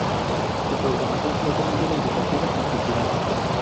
Su programación es de índole educativa y cultural.